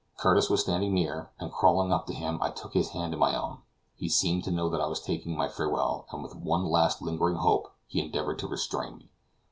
Curtis was standing near, and crawling up to him, I took his hand in my own. He seemed to know that I was taking my farewell, and with one last lingering hope he endeavored to restrain me.